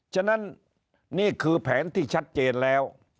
ฉะนั้นนี่คือแผนที่ชัดเจนแล้ว